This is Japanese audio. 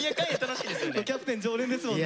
キャプテン常連ですもんね。